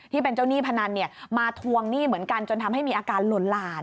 ที่เป็นเจ้าหนี้พนันมาทวงหนี้เหมือนกันจนทำให้มีอาการหล่นหลาน